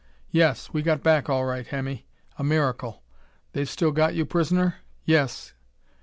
"Yes. We got back all right, Hemmy a miracle. They've still got you prisoner?" "Yes....